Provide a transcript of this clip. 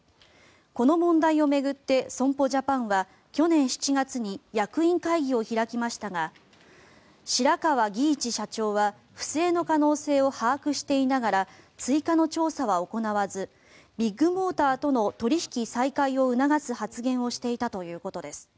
この問題を巡って損保ジャパンは去年７月に役員会議を開きましたが白川儀一社長は不正の可能性を把握していながら追加の調査は行わずビッグモーターとの取引再開を促す発言をしていたということです。